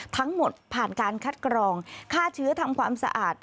ทั้งหมดผ่านการคัดกรองฆ่าเชื้อทำความสะอาด